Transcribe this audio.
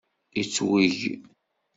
Yettweg!